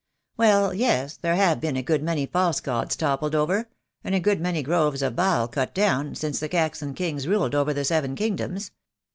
"Well, yes, there have been a good many false gods toppled over, and a good many groves of Baal cut down, since the Saxon Kings ruled over the Seven Kingdoms.